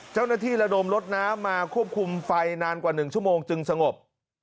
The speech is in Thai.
เจ้าหน้าที่ระดมรถน้ำมาควบคุมไฟนานกว่าหนึ่งชั่วโมงจึงสงบ